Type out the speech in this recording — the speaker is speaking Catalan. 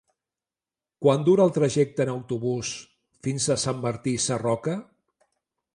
Quant dura el trajecte en autobús fins a Sant Martí Sarroca?